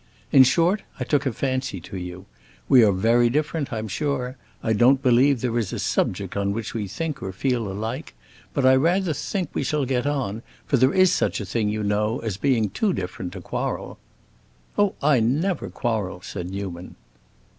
In short, I took a fancy to you. We are very different, I'm sure; I don't believe there is a subject on which we think or feel alike. But I rather think we shall get on, for there is such a thing, you know, as being too different to quarrel." "Oh, I never quarrel," said Newman.